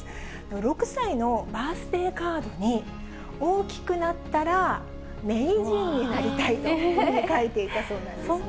６歳のバースデーカードに、おおきくなったらめいじんになりたいというふうに書いていたそうなんですね。